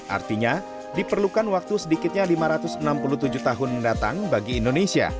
artinya diperlukan waktu sedikitnya lima ratus enam puluh tujuh tahun mendatang bagi indonesia